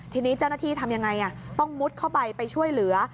ทีนี้เจ้าหน้าที่ทำยังไงต้องมุดเข้าไปไปช่วยเหลือ